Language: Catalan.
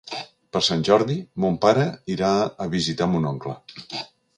Per Sant Jordi mon pare irà a visitar mon oncle.